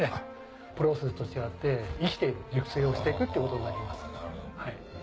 プロセスと違って生きて熟成をしていくってことに。